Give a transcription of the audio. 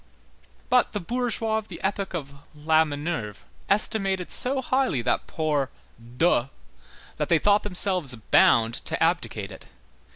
But the bourgeois of the epoch of la Minerve estimated so highly that poor de, that they thought themselves bound to abdicate it.